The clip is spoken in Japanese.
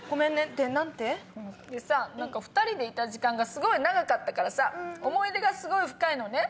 で何て？で２人でいた時間がすごい長かったからさ思い出がすごい深いのね。